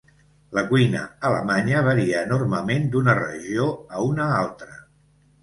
La cuina alemanya varia enormement d'una regió a una altra.